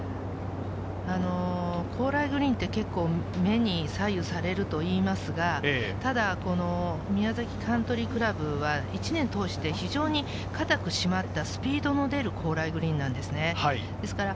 高麗グリーンは目に左右されるといいますが、宮崎カントリークラブは、１年を通して非常に固く締まったスピードの出る高麗グリーンなんですね。